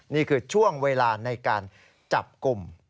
นี่คือช่วงเวลาในการจับกลุ่ม